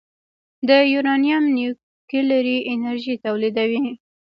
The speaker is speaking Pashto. د یورانیم نیوکلیري انرژي تولیدوي.